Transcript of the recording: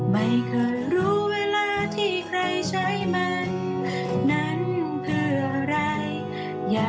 มันอันตราย